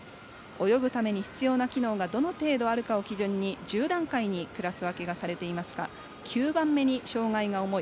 泳ぐために必要な機能がどの程度あるのかを基準に１０段階にクラス分けがされていますが９番目に障がいが重い